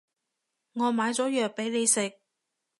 我買咗藥畀你食